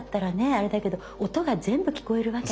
あれだけど音が全部聞こえるわけだから。